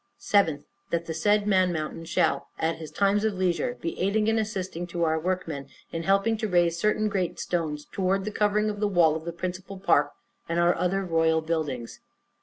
7th. That the said Man Mountain shall, at his times of leisure, be aiding and assisting to our workmen, in helping to raise certain great stones, towards covering the wall of the principal park, and other our royal buildings.